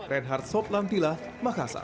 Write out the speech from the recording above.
reinhard sob lantila makassar